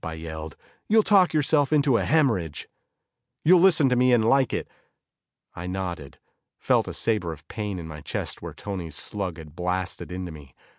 I yelled, "You'll talk yourself into a hemorrhage." "You'll listen to me and like it." I nodded, felt a sabre of pain in my chest where Tony's slug had blasted into me.